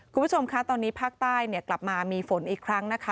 คุณผู้ชมคะตอนนี้ภาคใต้กลับมามีฝนอีกครั้งนะคะ